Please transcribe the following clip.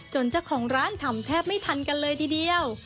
เจ้าของร้านทำแทบไม่ทันกันเลยทีเดียว